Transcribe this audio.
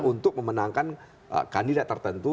untuk memenangkan kandidat tertentu